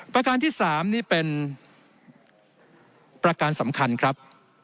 ประการที่๓นี่เป็นประการสำคัญครับ